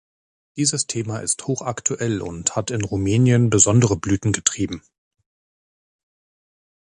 Dieses Thema ist hochaktuell und hat in Rumänien besondere Blüten getrieben.